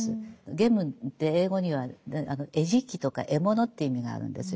ゲームって英語には餌食とか獲物って意味があるんですよ。